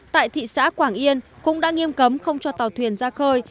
tại thị xã quảng yên cũng đã nghiêm cấm không cho tàu thuyền ra khơi